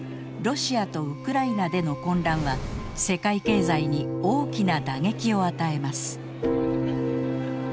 ロシアとウクライナでの混乱は世界経済に大きな打撃を与えます。